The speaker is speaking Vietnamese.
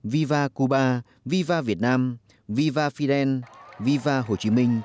vì vậy viva cuba viva việt nam viva fidel viva hồ chí minh